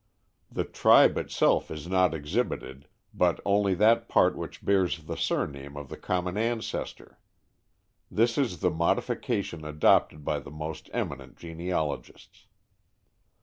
The tribe itself is not exhibited, but only that part which bears the surname of the common ancestor. This is the modification adopted by the most eminent genealogists.